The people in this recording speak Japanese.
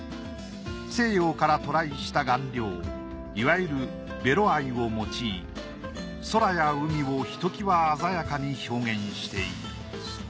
西洋から渡来した顔料いわゆるベロ藍を用い空や海をひときわ鮮やかに表現している。